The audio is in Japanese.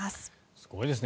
すごいですね。